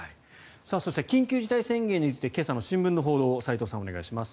そして緊急事態宣言について今朝の新聞の報道斎藤さん、お願いします。